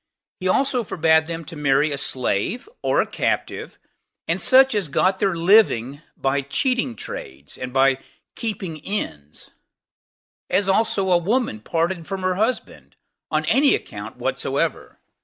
He also forbade them to marry a slave, or a captive, and such as got their living by cheating trades, and by keeping inns; as also a woman parted from her husband, on any account whatsoever.